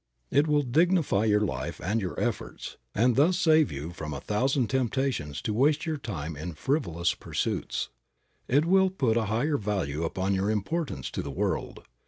It will dignify your life and your efforts, and thus save you from a thousand temptations to waste your time in frivolous pursuits. It will put a higher value upon your importance to the world.